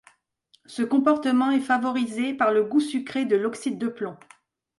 Ce comportement est favorisé par le goût sucré de l'oxyde de plomb.